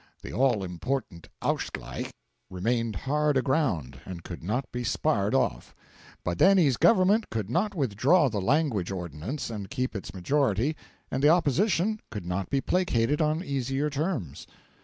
The all important Ausgleich remained hard aground, and could not be sparred off. Badeni's government could not withdraw the Language Ordinance and keep its majority, and the Opposition could not be placated on easier terms.